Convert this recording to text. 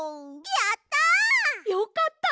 やった！